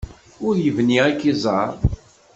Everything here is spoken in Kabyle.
Ur yebni ad k-iẓer.